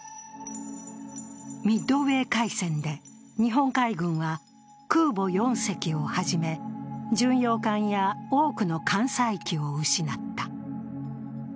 ミッドウェー海戦で日本海軍は空母４隻をはじめ巡洋艦や多くの艦載機を失った。